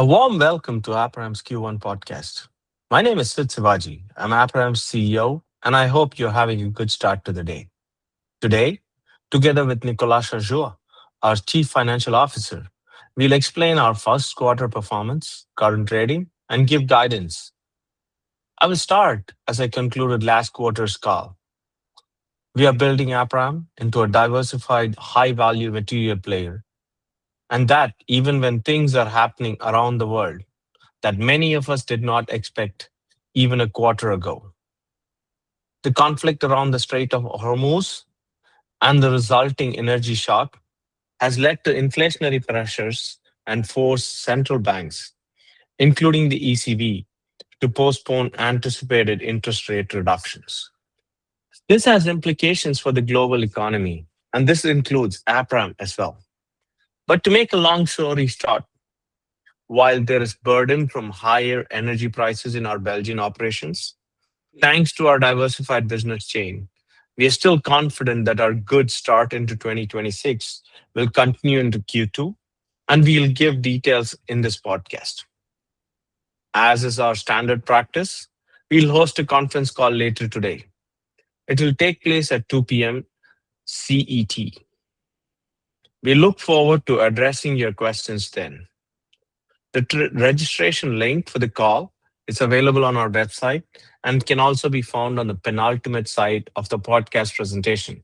A warm welcome to Aperam's Q1 podcast. My name is Sud Sivaji. I'm Aperam's CEO, and I hope you're having a good start to the day. Today, together with Nicolas Changeur, our Chief Financial Officer, we'll explain our first quarter performance, current trading, and give guidance. I will start as I concluded last quarter's call. We are building Aperam into a diversified high-value material player, that even when things are happening around the world that many of us did not expect even a quarter ago. The conflict around the Strait of Hormuz and the resulting energy shock has led to inflationary pressures and forced central banks, including the ECB, to postpone anticipated interest rate reductions. This has implications for the global economy, and this includes Aperam as well. To make a long story short, while there is burden from higher energy prices in our Belgian operations, thanks to our diversified business chain, we are still confident that our good start into 2026 will continue into Q2, and we'll give details in this podcast. As is our standard practice, we'll host a conference call later today. It will take place at 2:00 P.M. CET. We look forward to addressing your questions then. The registration link for the call is available on our website and can also be found on the penultimate site of the podcast presentation.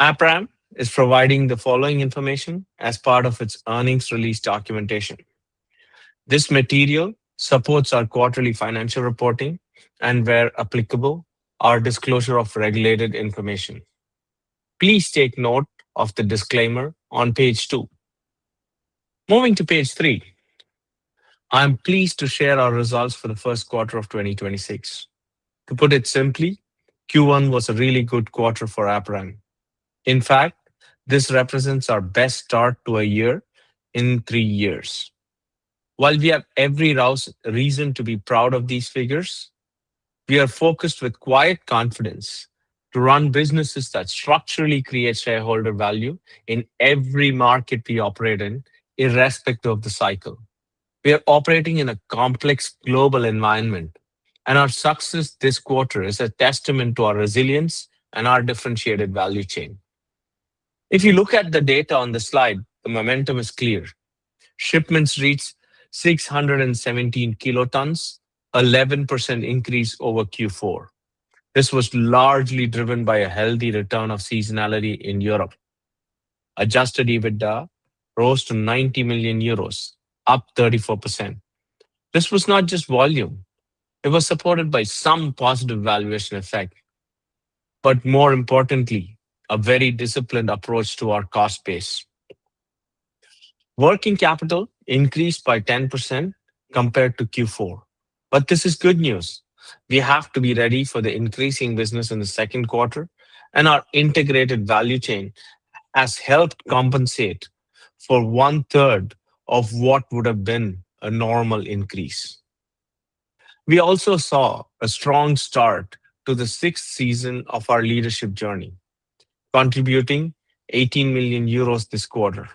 Aperam is providing the following information as part of its earnings release documentation. This material supports our quarterly financial reporting and where applicable, our disclosure of regulated information. Please take note of the disclaimer on page two. Moving to page three, I'm pleased to share our results for the first quarter of 2026. To put it simply, Q1 was a really good quarter for Aperam. In fact, this represents our best start to a year in three years. While we have every reason to be proud of these figures, we are focused with quiet confidence to run businesses that structurally create shareholder value in every market we operate in, irrespective of the cycle. We are operating in a complex global environment. Our success this quarter is a testament to our resilience and our differentiated value chain. If you look at the data on the slide, the momentum is clear. Shipments reached 617 kilotons, 11% increase over Q4. This was largely driven by a healthy return of seasonality in Europe. Adjusted EBITDA rose to 90 million euros, up 34%. This was not just volume. It was supported by some positive valuation effect, but more importantly, a very disciplined approach to our cost base. Working capital increased by 10% compared to Q4. This is good news. We have to be ready for the increasing business in the second quarter, and our integrated value chain has helped compensate for one-third of what would have been a normal increase. We also saw a strong start to the sixth season of our Leadership Journey, contributing 18 million euros this quarter.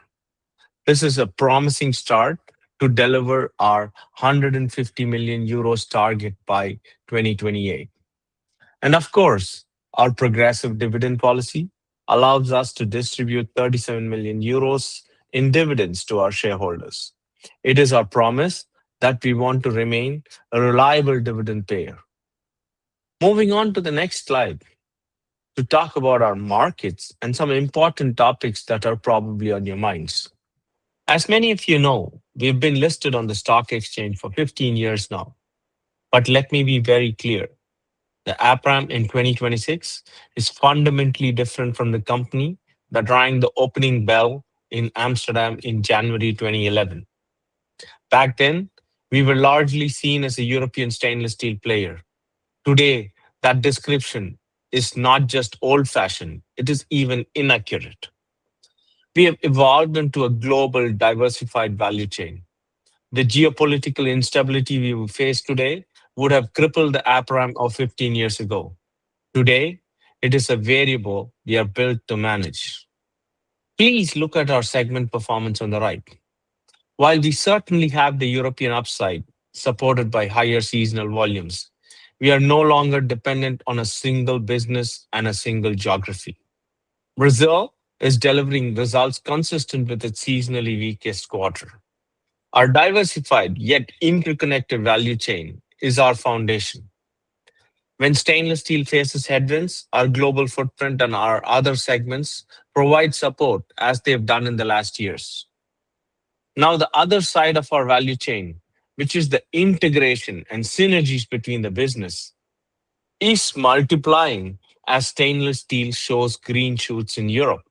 This is a promising start to deliver our 150 million euros target by 2028. Of course, our progressive dividend policy allows us to distribute 37 million euros in dividends to our shareholders. It is our promise that we want to remain a reliable dividend payer. Moving on to the next slide to talk about our markets and some important topics that are probably on your minds. As many of you know, we've been listed on the stock exchange for 15 years now. Let me be very clear. The Aperam in 2026 is fundamentally different from the company that rang the opening bell in Amsterdam in January 2011. Back then, we were largely seen as a European stainless steel player. Today, that description is not just old-fashioned, it is even inaccurate. We have evolved into a global diversified value chain. The geopolitical instability we will face today would have crippled the Aperam of 15 years ago. Today, it is a variable we are built to manage. Please look at our segment performance on the right. While we certainly have the European upside supported by higher seasonal volumes, we are no longer dependent on a single business and a single geography. Brazil is delivering results consistent with its seasonally weakest quarter. Our diversified yet interconnected value chain is our foundation. When stainless steel faces headwinds, our global footprint and our other segments provide support as they've done in the last years. Now, the other side of our value chain, which is the integration and synergies between the business, is multiplying as stainless steel shows green shoots in Europe.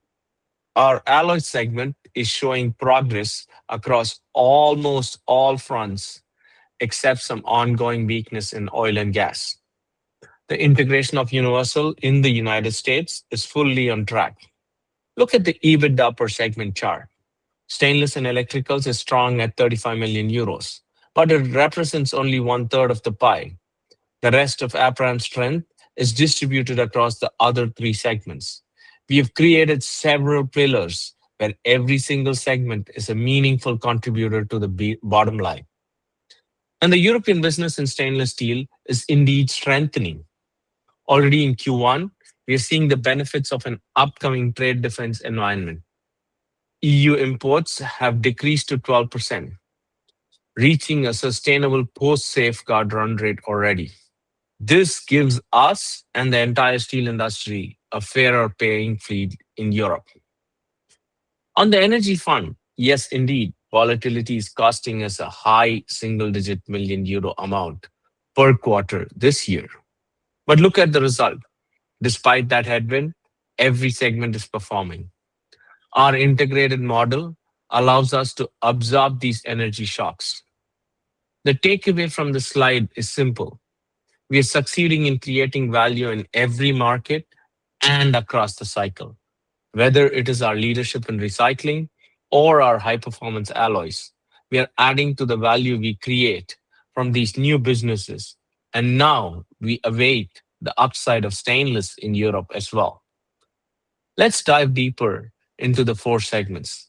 Our Alloys segment is showing progress across almost all fronts, except some ongoing weakness in oil and gas. The integration of Universal in the United States is fully on track. Look at the EBITDA per segment chart. Stainless and Electrical Steel is strong at 35 million euros, but it represents only one-third of the pie. The rest of Aperam's strength is distributed across the other three segments. We have created several pillars where every single segment is a meaningful contributor to the bottom line. The European business in Stainless Steel is indeed strengthening. Already in Q1, we are seeing the benefits of an upcoming trade defense environment. EU imports have decreased to 12%, reaching a sustainable post-safeguard run rate already. This gives us and the entire steel industry a fairer playing field in Europe. On the energy front, yes, indeed, volatility is costing us a high single-digit million euro amount per quarter this year. Look at the result. Despite that headwind, every segment is performing. Our integrated model allows us to absorb these energy shocks. The takeaway from the slide is simple. We are succeeding in creating value in every market and across the cycle. Whether it is our leadership in recycling or our high-performance alloys, we are adding to the value we create from these new businesses. Now we await the upside of Stainless Europe as well. Let's dive deeper into the four segments.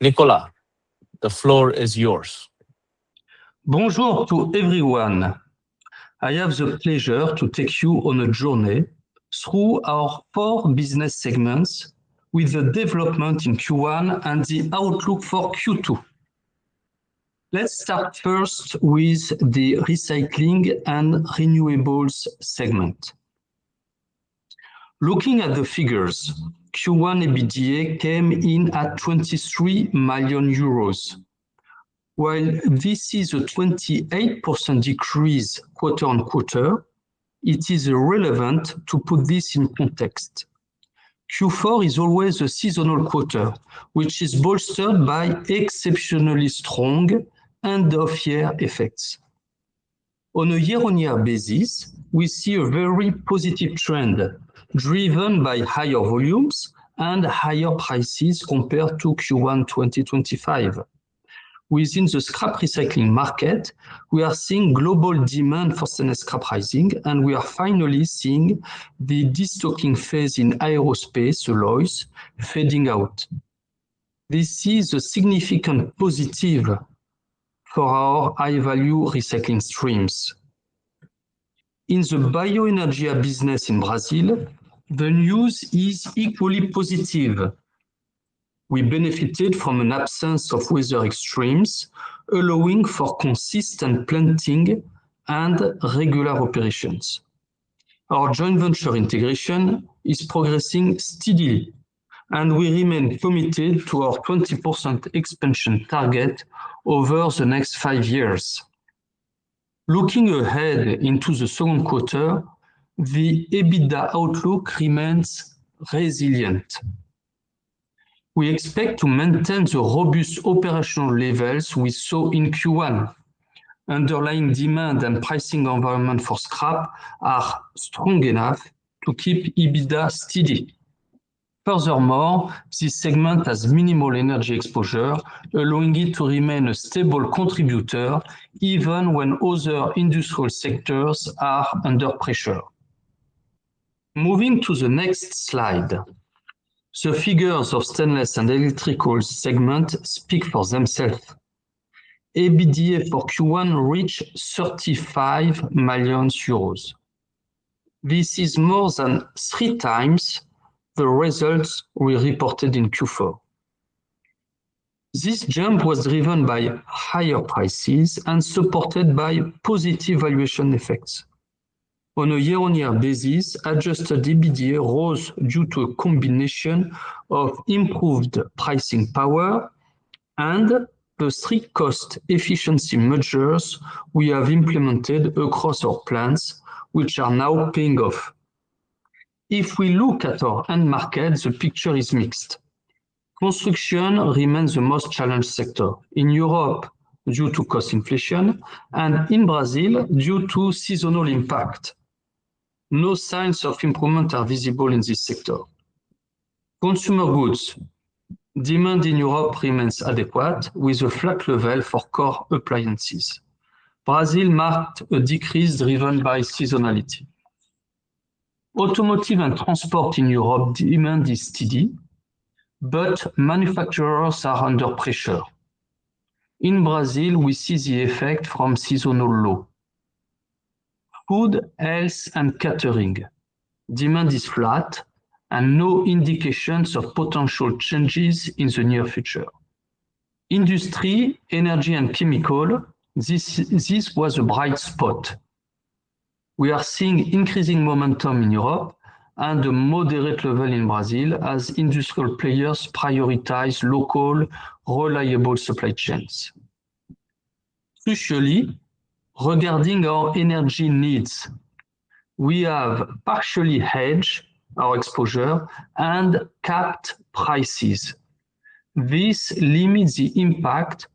Nicolas, the floor is yours. Bonjour to everyone. I have the pleasure to take you on a journey through our four business segments with the development in Q1 and the outlook for Q2. Let's start first with the Recycling & Renewables segment. Looking at the figures, Q1 EBITDA came in at 23 million euros. While this is a 28% decrease quarter-on-quarter, it is relevant to put this in context. Q4 is always a seasonal quarter, which is bolstered by exceptionally strong end-of-year effects. On a year-on-year basis, we see a very positive trend driven by higher volumes and higher prices compared to Q1 2025. Within the scrap recycling market, we are seeing global demand for thinner scrap pricing, and we are finally seeing the destocking phase in aerospace alloys fading out. This is a significant positive for our high-value recycling streams. In the bioenergy business in Brazil, the news is equally positive. We benefited from an absence of weather extremes, allowing for consistent planting and regular operations. Our joint venture integration is progressing steadily, and we remain committed to our 20% expansion target over the next five years. Looking ahead into the second quarter, the EBITDA outlook remains resilient. We expect to maintain the robust operational levels we saw in Q1. Underlying demand and pricing environment for scrap are strong enough to keep EBITDA steady. Furthermore, this segment has minimal energy exposure, allowing it to remain a stable contributor even when other industrial sectors are under pressure. Moving to the next slide. The figures of Stainless and Electrical segment speak for themselves. EBITDA for Q1 reached 35 million euros. This is more than three times the results we reported in Q4. This jump was driven by higher prices and supported by positive valuation effects. On a year-on-year basis, adjusted EBITDA rose due to a combination of improved pricing power and the three cost efficiency measures we have implemented across our plants, which are now paying off. If we look at our end markets, the picture is mixed. Construction remains the most challenged sector in Europe due to cost inflation and in Brazil due to seasonal impact. No signs of improvement are visible in this sector. Consumer goods. Demand in Europe remains adequate with a flat level for core appliances. Brazil marked a decrease driven by seasonality. Automotive and transport in Europe demand is steady, but manufacturers are under pressure. In Brazil, we see the effect from seasonal low. Food, health, and catering. Demand is flat and no indications of potential changes in the near future. Industry, energy, and chemical. This was a bright spot. We are seeing increasing momentum in Europe and a moderate level in Brazil as industrial players prioritize local reliable supply chains. Crucially, regarding our energy needs, we have partially hedged our exposure and capped prices. This limits the impact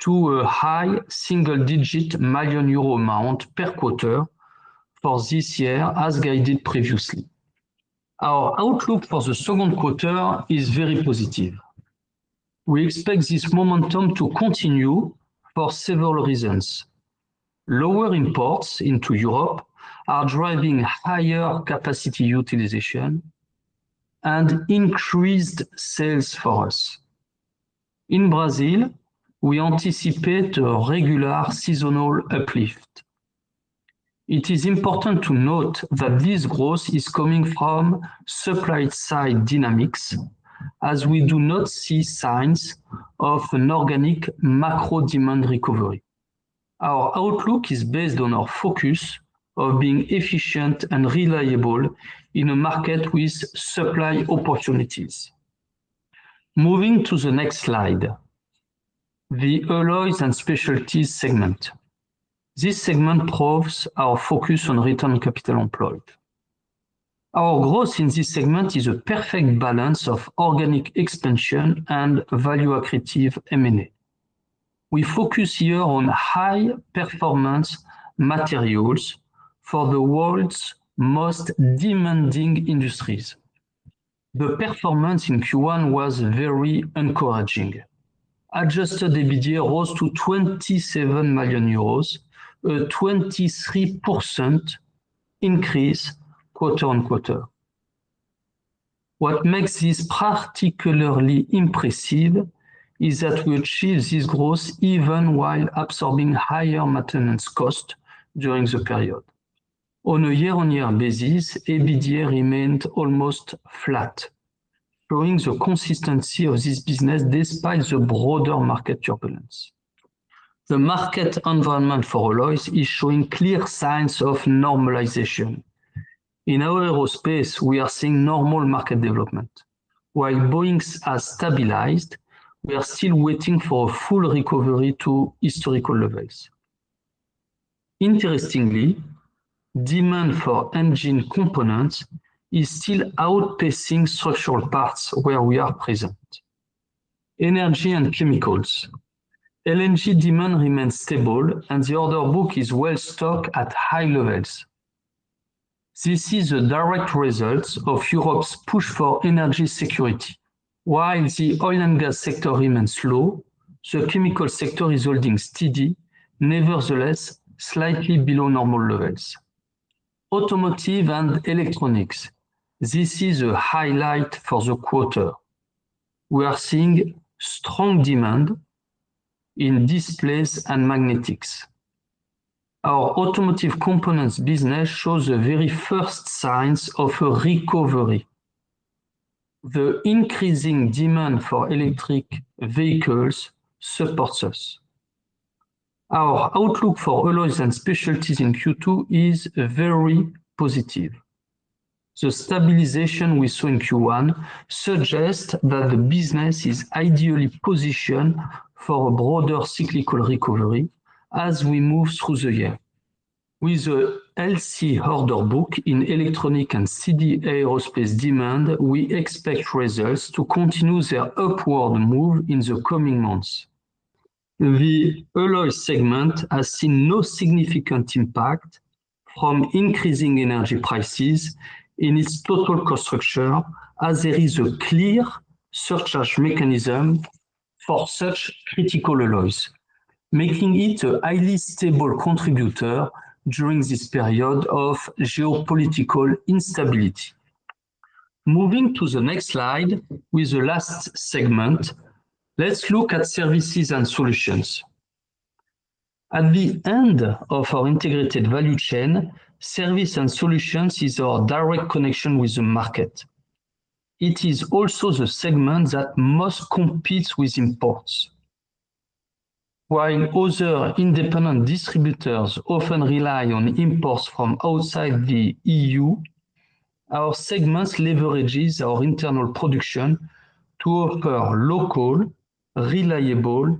to a high single-digit million euro amount per quarter for this year, as guided previously. Our outlook for the second quarter is very positive. We expect this momentum to continue for several reasons. Lower imports into Europe are driving higher capacity utilization and increased sales force. In Brazil, we anticipate a regular seasonal uplift. It is important to note that this growth is coming from supply-side dynamics as we do not see signs of an organic macro demand recovery. Our outlook is based on our focus of being efficient and reliable in a market with supply opportunities. Moving to the next slide, the Alloys & Specialties segment. This segment proves our focus on return on capital employed. Our growth in this segment is a perfect balance of organic expansion and value accretive M&A. We focus here on high performance materials for the world's most demanding industries. The performance in Q1 was very encouraging. Adjusted EBITDA rose to 27 million euros, a 23% increase quarter-on-quarter. What makes this particularly impressive is that we achieved this growth even while absorbing higher maintenance cost during the period. On a year-on-year basis, EBITDA remained almost flat, proving the consistency of this business despite the broader market turbulence. The market environment for alloys is showing clear signs of normalization. In our aerospace, we are seeing normal market development. While Boeing are stabilized, we are still waiting for a full recovery to historical levels. Interestingly, demand for engine components is still outpacing structural parts where we are present. Energy and chemicals. LNG demand remains stable, and the order book is well stocked at high levels. This is a direct result of Europe's push for energy security. While the oil and gas sector remains slow, the chemical sector is holding steady, nevertheless, slightly below normal levels. Automotive and electronics. This is a highlight for the quarter. We are seeing strong demand in displays and magnetics. Our automotive components business shows the very first signs of a recovery. The increasing demand for electric vehicles supports us. Our outlook for Alloys & Specialties in Q2 is very positive. The stabilization we saw in Q1 suggests that the business is ideally positioned for a broader cyclical recovery as we move through the year. With a healthy order book in electronics and CD aerospace demand, we expect results to continue their upward move in the coming months. The Alloys segment has seen no significant impact from increasing energy prices in its total cost structure, as there is a clear surcharge mechanism for such critical alloys, making it a highly stable contributor during this period of geopolitical instability. Moving to the next slide with the last segment, let's look at Services & Solutions. At the end of our integrated value chain, Services & Solutions is our direct connection with the market. It is also the segment that most competes with imports. While other independent distributors often rely on imports from outside the EU, our segments leverages our internal production to offer local, reliable,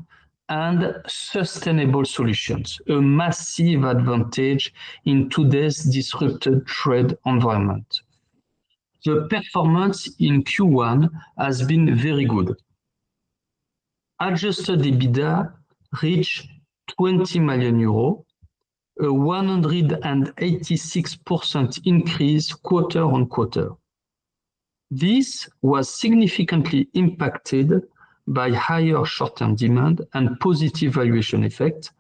and sustainable solutions, a massive advantage in today's disrupted trade environment. The performance in Q1 has been very good. Adjusted EBITDA reached 20 million euros, a 186% increase quarter-on-quarter. This was significantly impacted by higher short-term demand and positive valuation effect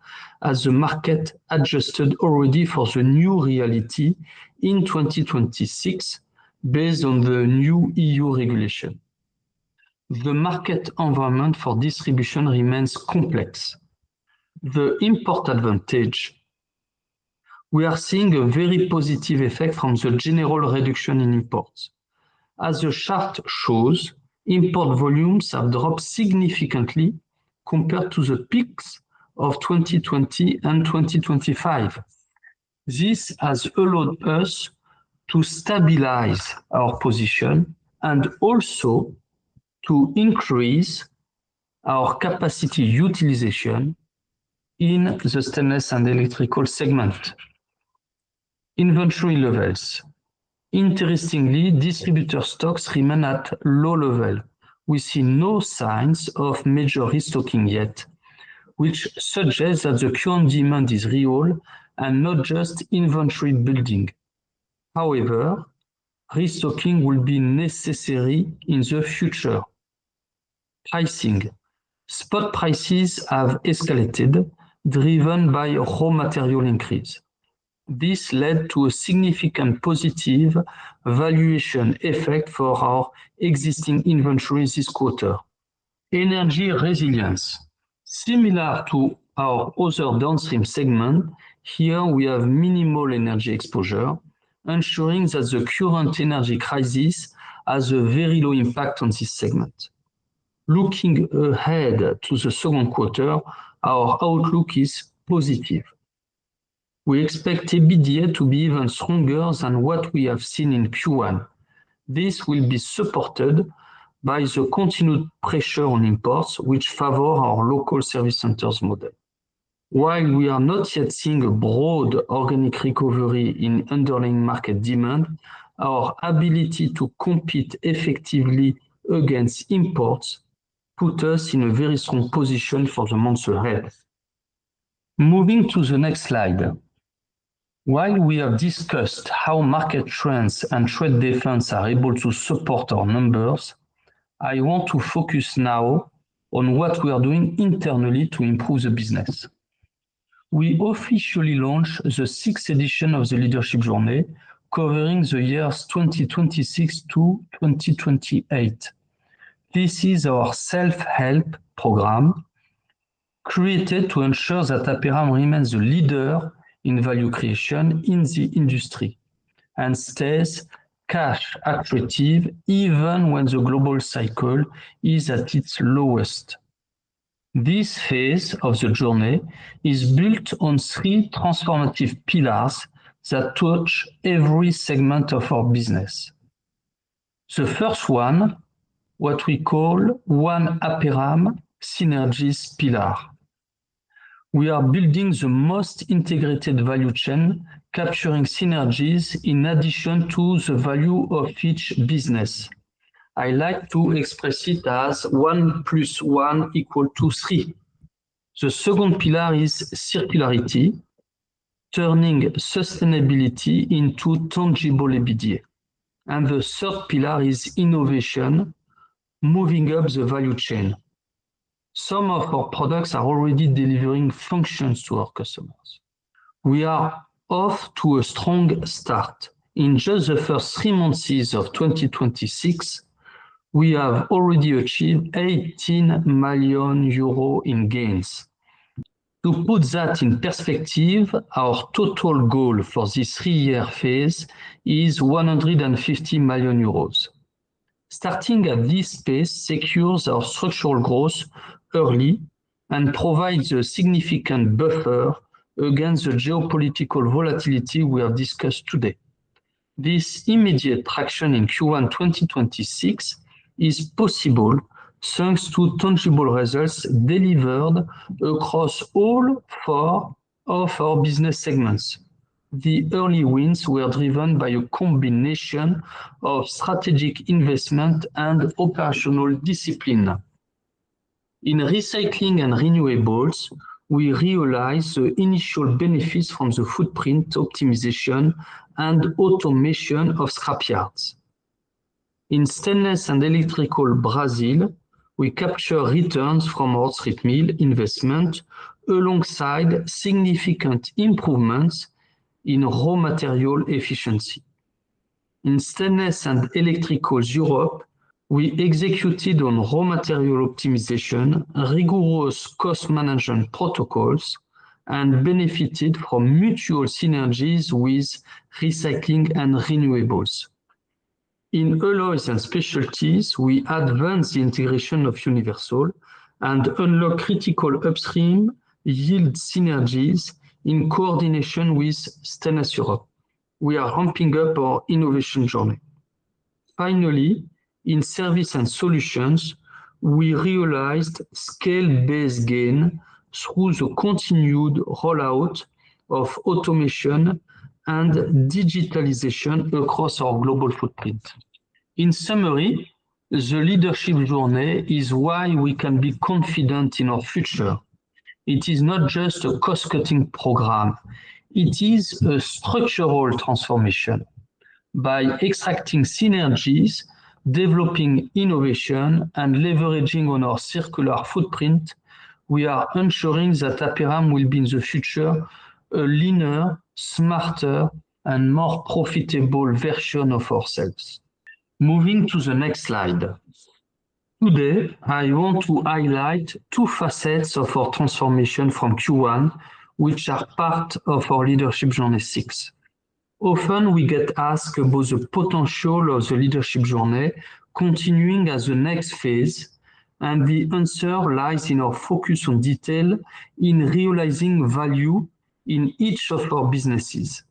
as the market adjusted already for the new reality in 2026 based on the new EU regulation. The market environment for distribution remains complex. The import advantage. We are seeing a very positive effect from the general reduction in imports. As the chart shows, import volumes have dropped significantly compared to the peaks of 2020 and 2025. This has allowed us to stabilize our position and also to increase our capacity utilization in the Stainless & Electrical segment. Inventory levels. Interestingly, distributor stocks remain at low level. We see no signs of major restocking yet, which suggests that the current demand is real and not just inventory building. However, restocking will be necessary in the future. Pricing. Spot prices have escalated, driven by raw material increase. This led to a significant positive valuation effect for our existing inventory this quarter. Energy resilience. Similar to our other downstream segment, here we have minimal energy exposure, ensuring that the current energy crisis has a very low impact on this segment. Looking ahead to the second quarter, our outlook is positive. We expect EBITDA to be even stronger than what we have seen in Q1. This will be supported by the continued pressure on imports, which favor our local service centers model. While we are not yet seeing a broad organic recovery in underlying market demand, our ability to compete effectively against imports put us in a very strong position for the months ahead. Moving to the next slide. While we have discussed how market trends and trade defense are able to support our numbers, I want to focus now on what we are doing internally to improve the business. We officially launched the sixth edition of the Leadership Journey covering the years 2026 to 2028. This is our self-help program created to ensure that Aperam remains a leader in value creation in the industry and stays cash attractive even when the global cycle is at its lowest. This phase of the journey is built on three transformative pillars that touch every segment of our business. The first one, what we call One Aperam synergies pillar. We are building the most integrated value chain, capturing synergies in addition to the value of each business. I like to express it as one plus one equal to three. The second pillar is circularity, turning sustainability into tangible EBITDA. The third pillar is innovation, moving up the value chain. Some of our products are already delivering functions to our customers. We are off to a strong start. In just the first three months of 2026, we have already achieved 18 million euros in gains. To put that in perspective, our total goal for this three-year phase is 150 million euros. Starting at this pace secures our structural growth early and provides a significant buffer against the geopolitical volatility we have discussed today. This immediate traction in Q1 2026 is possible thanks to tangible results delivered across all four of our business segments. The early wins were driven by a combination of strategic investment and operational discipline. In Recycling & Renewables, we realized the initial benefits from the footprint optimization and automation of scrapyards. In Stainless and Electrical Brazil, we capture returns from hot strip mill investment alongside significant improvements in raw material efficiency. In Stainless and Electrical Europe, we executed on raw material optimization, rigorous cost management protocols, and benefited from mutual synergies with Recycling & Renewables. In Alloys & Specialties, we advanced the integration of Universal and unlocked critical upstream yield synergies in coordination with Stainless Europe. We are ramping up our innovation journey. Finally, in Services & Solutions, we realized scale-based gain through the continued rollout of automation and digitalization across our global footprint. In summary, the Leadership Journey is why we can be confident in our future. It is not just a cost-cutting program, it is a structural transformation. By extracting synergies, developing innovation, and leveraging on our circular footprint, we are ensuring that Aperam will be in the future a leaner, smarter, and more profitable version of ourselves. Moving to the next slide. Today, I want to highlight two facets of our transformation from Q1, which are part of our Leadership Journey 6. Often we get asked about the potential of the Leadership Journey continuing as the next phase, and the answer lies in our focus on detail in realizing value in each of our businesses.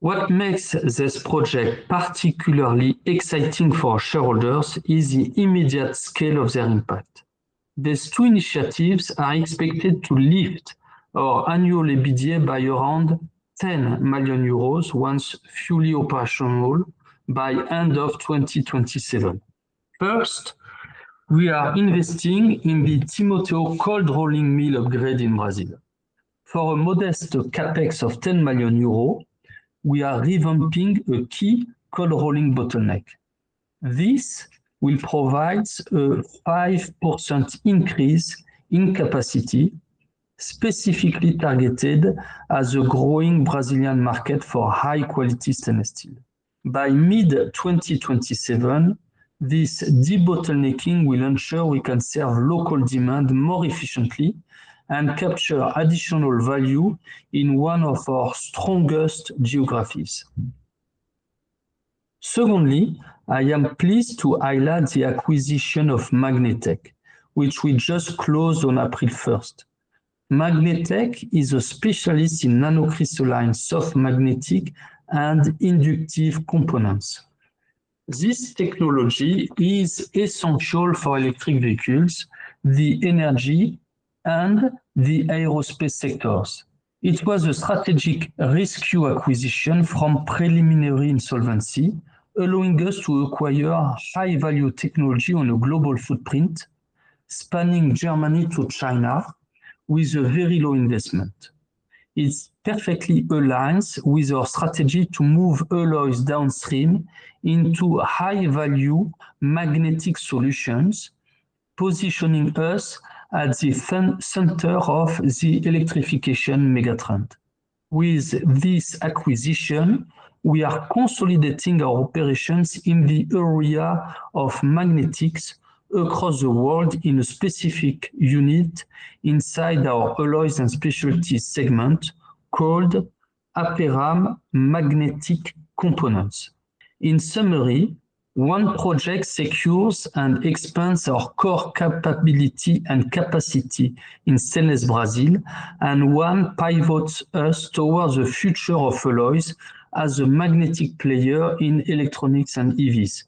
What makes this project particularly exciting for shareholders is the immediate scale of their impact. These two initiatives are expected to lift our annual EBITDA by around 10 million euros once fully operational by end of 2027. First, we are investing in the Timóteo cold rolling mill upgrade in Brazil. For a modest CapEx of 10 million euros, we are revamping a key cold rolling bottleneck. This will provide a 5% increase in capacity, specifically targeted at the growing Brazilian market for high-quality stainless steel. By mid-2027, this debottlenecking will ensure we can serve local demand more efficiently and capture additional value in one of our strongest geographies. Secondly, I am pleased to highlight the acquisition of Magnetec, which we just closed on April 1st. Magnetec is a specialist in nanocrystalline soft magnetic and inductive components. This technology is essential for electric vehicles, the energy, and the aerospace sectors. It was a strategic rescue acquisition from preliminary insolvency, allowing us to acquire high-value technology on a global footprint spanning Germany to China with a very low investment. It perfectly aligns with our strategy to move alloys downstream into high-value magnetic solutions, positioning us at the center of the electrification megatrend. With this acquisition, we are consolidating our operations in the area of magnetics across the world in a specific unit inside our Alloys & Specialties segment called Aperam Magnetic Components. In summary, one project secures and expands our core capability and capacity in Stainless Brazil, and one pivots us towards the future of alloys as a magnetic player in electronics and EVs.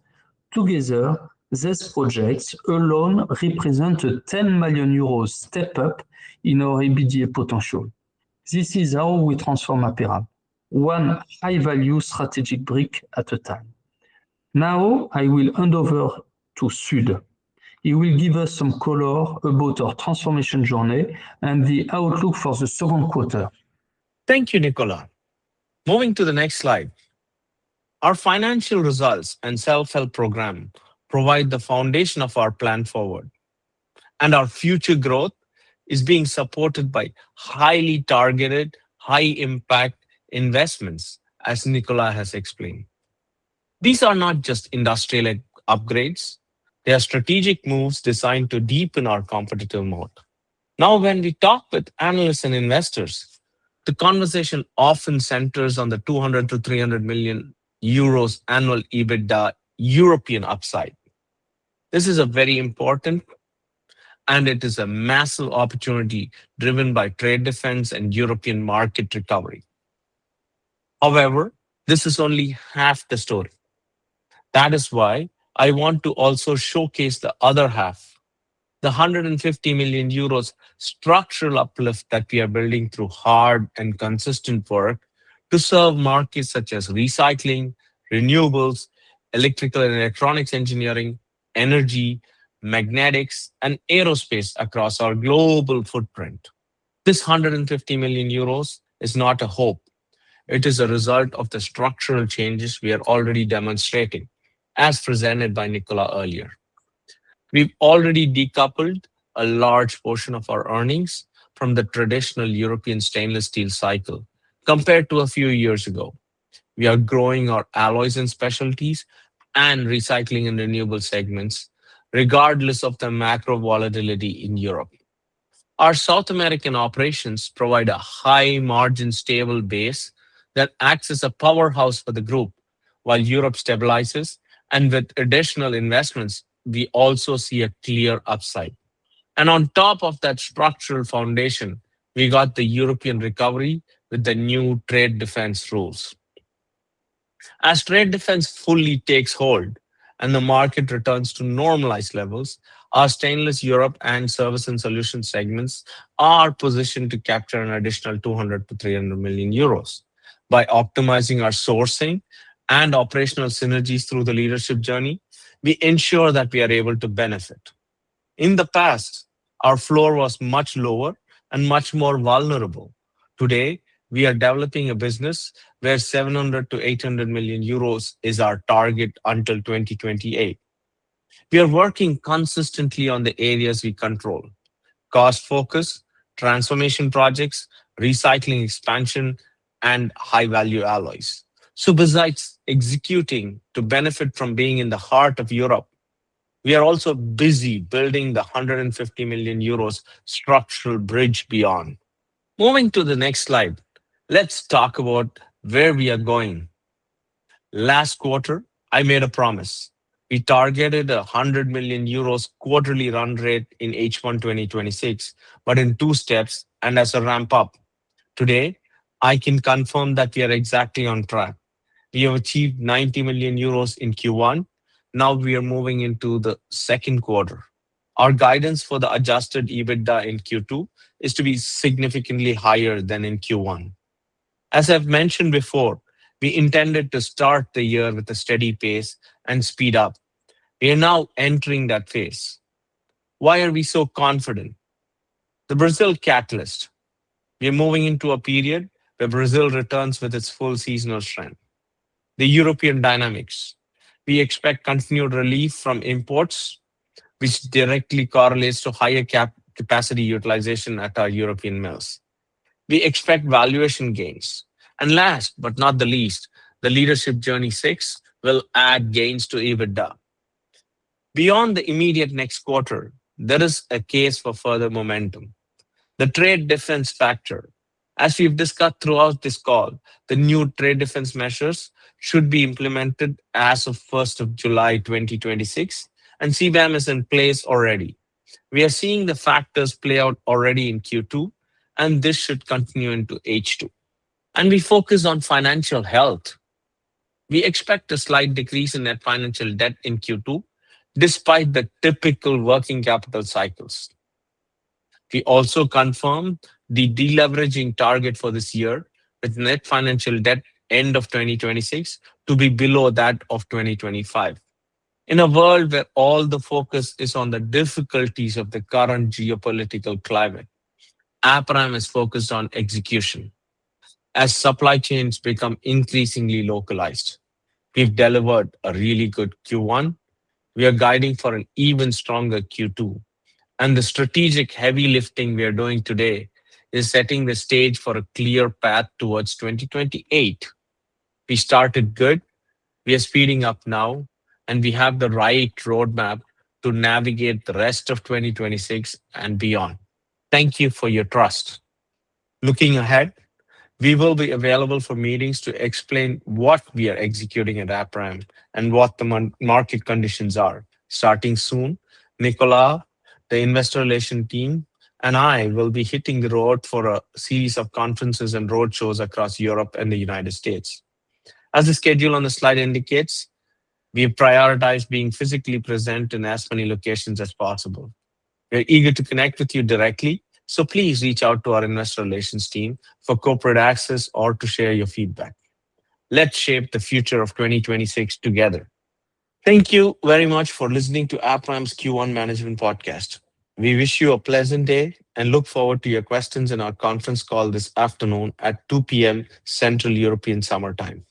Together, these projects alone represent a 10 million euros step up in our EBITDA potential. This is how we transform Aperam, one high-value strategic brick at a time. Now I will hand over to Sud. He will give us some color about our transformation journey and the outlook for the second quarter. Thank you, Nicolas. Moving to the next slide. Our financial results and self-help program provide the foundation of our plan forward, and our future growth is being supported by highly targeted, high impact investments, as Nicolas has explained. These are not just industrial upgrades. They are strategic moves designed to deepen our competitive mode. When we talk with analysts and investors, the conversation often centers on the 200 million-300 million euros annual EBITDA European upside. This is a very important, and it is a massive opportunity driven by trade defense and European market recovery. This is only half the story. That is why I want to also showcase the other half, the 150 million euros structural uplift that we are building through hard and consistent work to serve markets such as Recycling & Renewables, electrical and electronics engineering, energy, magnetics, and aerospace across our global footprint. This 150 million euros is not a hope. It is a result of the structural changes we are already demonstrating, as presented by Nicolas earlier. We've already decoupled a large portion of our earnings from the traditional European stainless steel cycle compared to a few years ago. We are growing our Alloys & Specialties and Recycling & Renewables segments regardless of the macro volatility in Europe. Our South American operations provide a high margin, stable base that acts as a powerhouse for the group while Europe stabilizes, and with additional investments, we also see a clear upside. On top of that structural foundation, we got the European recovery with the new trade defense rules. As trade defense fully takes hold and the market returns to normalized levels, our Stainless Europe and Services & Solutions segments are positioned to capture an additional 200 million-300 million euros. By optimizing our sourcing and operational synergies through the Leadership Journey, we ensure that we are able to benefit. In the past, our floor was much lower and much more vulnerable. Today, we are developing a business where 700 million-800 million euros is our target until 2028. We are working consistently on the areas we control: cost focus, transformation projects, recycling expansion, and high-value alloys. Besides executing to benefit from being in the heart of Europe, we are also busy building the 150 million euros structural bridge beyond. Moving to the next slide, let's talk about where we are going. Last quarter, I made a promise. We targeted 100 million euros quarterly run rate in H1 2026, but in two steps and as a ramp-up. Today, I can confirm that we are exactly on track. We have achieved 90 million euros in Q1. We are moving into the second quarter. Our guidance for the adjusted EBITDA in Q2 is to be significantly higher than in Q1. As I've mentioned before, we intended to start the year with a steady pace and speed up. We are now entering that phase. Why are we so confident? The Brazil catalyst. We are moving into a period where Brazil returns with its full seasonal strength. The European dynamics. We expect continued relief from imports, which directly correlates to higher capacity utilization at our European mills. We expect valuation gains. Last but not the least, the Leadership Journey 6 will add gains to EBITDA. Beyond the immediate next quarter, there is a case for further momentum. The trade defense factor. As we've discussed throughout this call, the new trade defense measures should be implemented as of 1st of July, 2026, and CBAM is in place already. We are seeing the factors play out already in Q2, and this should continue into H2. We focus on financial health. We expect a slight decrease in net financial debt in Q2, despite the typical working capital cycles. We also confirm the deleveraging target for this year, with net financial debt end of 2026 to be below that of 2025. In a world where all the focus is on the difficulties of the current geopolitical climate, Aperam is focused on execution. As supply chains become increasingly localized, we've delivered a really good Q1, we are guiding for an even stronger Q2, and the strategic heavy lifting we are doing today is setting the stage for a clear path towards 2028. We started good, we are speeding up now, and we have the right roadmap to navigate the rest of 2026 and beyond. Thank you for your trust. Looking ahead, we will be available for meetings to explain what we are executing at Aperam and what the market conditions are. Starting soon, Nicolas, the investor relation team, and I will be hitting the road for a series of conferences and roadshows across Europe and the United States. As the schedule on the slide indicates, we prioritize being physically present in as many locations as possible. We're eager to connect with you directly, so please reach out to our investor relations team for corporate access or to share your feedback. Let's shape the future of 2026 together. Thank you very much for listening to Aperam's Q1 management podcast. We wish you a pleasant day and look forward to your questions in our conference call this afternoon at 2:00 P.M. Central European Summer Time.